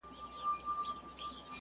د خټکي خوړل د پښتورګو لپاره ښه دي.